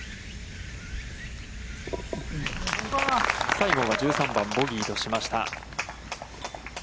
西郷は１３番、ボギーとしました。